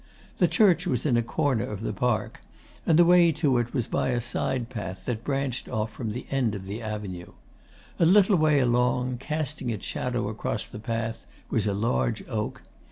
The church was in a corner of the park, and the way to it was by a side path that branched off from the end of the avenue. A little way along, casting its shadow across the path, was a large oak.